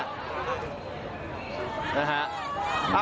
นะฮะ